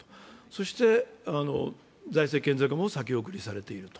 そして財政健全化も先送りされている。